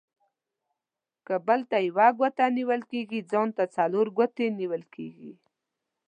که بل ته يوه گوته نيول کېږي ، ځان ته څلور گوتي نيول کېږي.